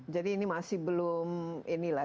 jadi ini masih belum inilah